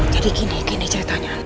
jadi gini gini ceritanya